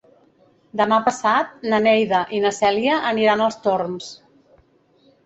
Demà passat na Neida i na Cèlia aniran als Torms.